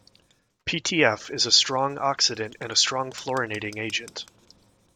PtF is a strong oxidant and a strong fluorinating agent.